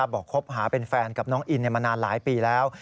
คบหาเป็นแฟนกับน้องอินมานานหลายปีแล้ว